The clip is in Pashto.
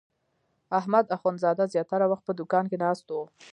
احمد اخوندزاده زیاتره وخت په دوکان کې ناست و.